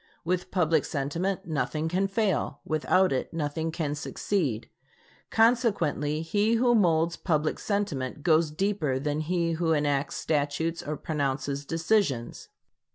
With public sentiment, nothing can fail; without it nothing can succeed. Consequently, he who molds public sentiment goes deeper than he who enacts statutes or pronounces decisions.